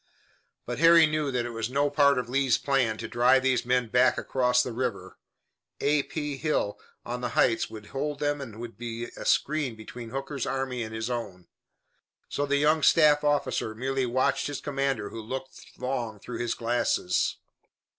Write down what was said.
But Harry knew that it was no part of Lee's plan to drive these men back across the river. A. P. Hill on the heights would hold them and would be a screen between Hooker's army and his own. So the young staff officer merely watched his commander who looked long through his glasses.